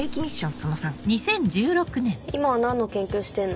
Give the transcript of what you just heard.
その３今は何の研究してんの？